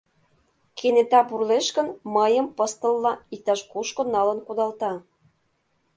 Кенета пурлеш гын, мыйым пыстылла иктаж-кушко налын кудалта.